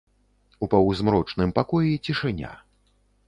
У паўзмрочным пакоі цішыня.